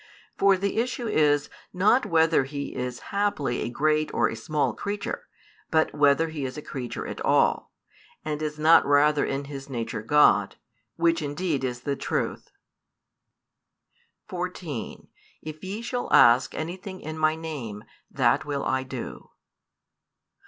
For the issue is, not whether He is haply a great or a small creature, but whether He is a creature at all, and is not rather in His nature God; which indeed is the truth. |296 14 If ye shall ask anything in My Name, that will I do.